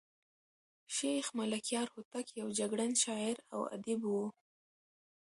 شېخ ملکیار هوتک یو جګړن شاعر او ادیب وو.